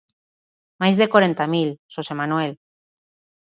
Máis de corenta mil, Xosé Manuel.